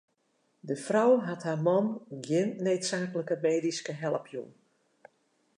De frou hat har man gjin needsaaklike medyske help jûn.